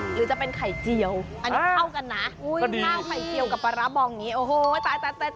หรือจะเป็นไข่เจียวอันนี้เข้ากันนะกินข้าวไข่เจียวกับปลาร้าบองอย่างนี้โอ้โหตาย